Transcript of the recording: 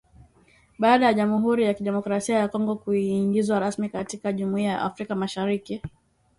Baada ya Jamuhuri ya Kidemokrasia ya Kongo kuingizwa rasmi katika Jumuiya ya Afrika Mashariki